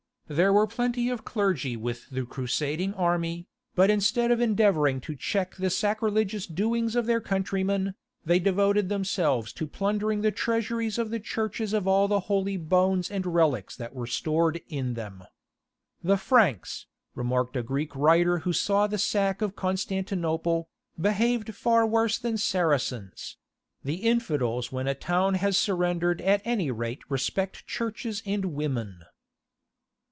There were plenty of clergy with the Crusading army, but instead of endeavouring to check the sacrilegious doings of their countrymen, they devoted themselves to plundering the treasuries of the churches of all the holy bones and relics that were stored in them. "The Franks," remarked a Greek writer who saw the sack of Constantinople, "behaved far worse than Saracens; the infidels when a town has surrendered at any rate respect churches and women."